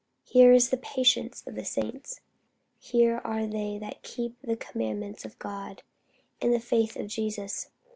Here is the patience of the saints: here are they that keep the commandments of God, and the faith of Jesus.